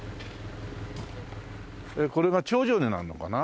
これが頂上になるのかな。